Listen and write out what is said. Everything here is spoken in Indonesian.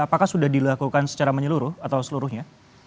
apakah sudah dilakukan secara menyeluruh atau seluruhnya